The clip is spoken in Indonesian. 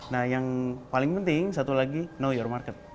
nah yang paling penting satu lagi know your market